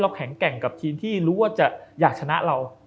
แข็งแกร่งกับทีมที่รู้ว่าจะอยากชนะเรา